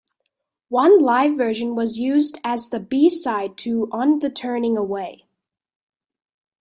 One live version was used as the B-side to "On the Turning Away".